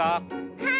はい！